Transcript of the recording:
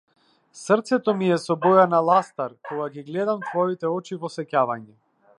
Срцето ми е со боја на ластар, кога ги гледам твоите очи во сеќавање.